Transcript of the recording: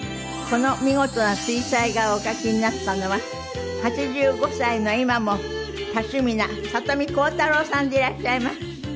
この見事な水彩画をお描きになったのは８５歳の今も多趣味な里見浩太朗さんでいらっしゃいます。